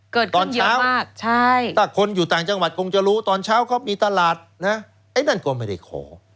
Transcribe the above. เกิดขึ้นเยอะมากถ้าคนอยู่ต่างจังหวัดก็จะรู้ตอนเช้าเขามีตลาดไอ้นั่นก็ไม่ได้ขอ